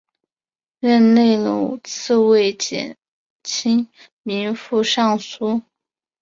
任内屡次为减轻民负上疏。